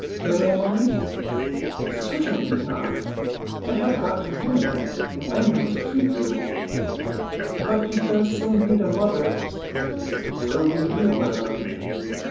"May I, mummy?" "Certainly not. I have got you home again, and I mean to keep you." "But he does so need a mother." "So do you, my love."